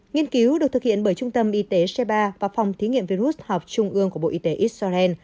nghiên cứu được thực hiện bởi trung tâm y tế c ba và phòng thí nghiệm virus học trung ương của bộ y tế israel